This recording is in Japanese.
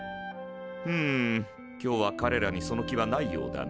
ふむ今日はかれらにその気はないようだな。